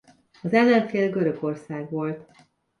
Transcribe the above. Az ellenfél Görögország volt.